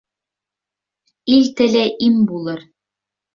Ил теле им булыр.